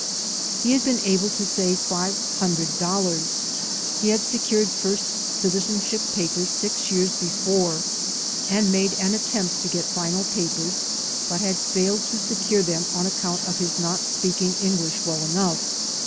He had been able to save five hun dred dollars. He had secured first citizenship papers six years before and made an attempt to get final papers but had failed to secure them on account of his not speak ing English well enough.